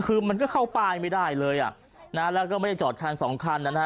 คือมันเข้าไปยังไม่ได้หรือและก็ไม่ได้จอดทางสองคัน